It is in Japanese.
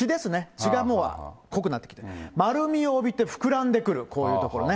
血がもう濃くなってきて、丸みを帯びて、膨らんでくる、こういう所ね。